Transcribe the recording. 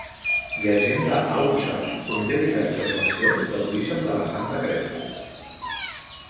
"Llegenda àuria" conté diverses versions de l'origen de la Santa Creu.